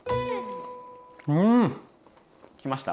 うん！来ました？